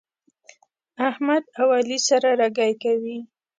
احمد او علي سره رګی کوي.